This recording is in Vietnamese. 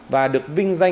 và được vinh danh